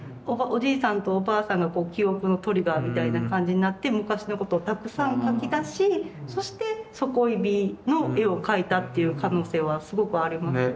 おじいさんとおばあさんが記憶のトリガーみたいな感じになって昔のことをたくさん描き出しそして「ソコイビ」の絵を描いたっていう可能性はすごくありますね。